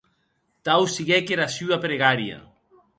Tau siguec era sua pregària.